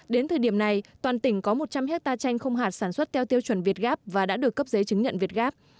đến thời điểm này toàn tỉnh có một trăm linh hectare chanh không hạt sản xuất theo tiêu chuẩn việt gáp và đã được cấp giấy chứng nhận việt gáp